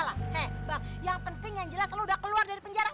lu udah keluar dari penjara